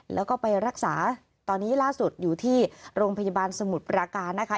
แล้วก็ไปรักษาตอนนี้ล่าสุดอยู่ที่โรงพยาบาลสมุทรปราการนะคะ